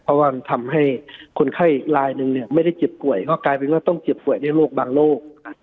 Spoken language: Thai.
เพราะว่ามันทำให้คนไข้อีกลายหนึ่งไม่ได้เจ็บป่วยก็กลายเป็นว่าต้องเจ็บป่วยด้วยโรคบางโรค